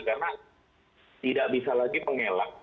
karena tidak bisa lagi mengelak